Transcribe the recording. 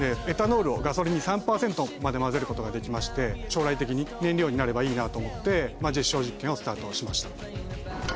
エタノールをガソリンに３％まで混ぜることができまして将来的に燃料になればいいなと思って実証実験をスタートしました。